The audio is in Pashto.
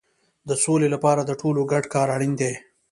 د سولې لپاره د ټولو ګډ کار اړین دی.